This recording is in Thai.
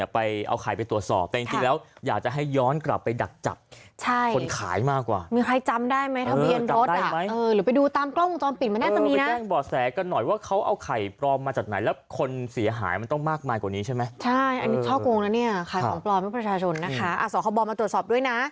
พอเราซื้อมาเขาก็หยิบให้เราเลยครับ